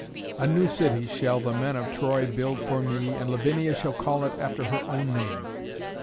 A new city shall the men of Troy build for me, and Lavinia shall call it after her own name."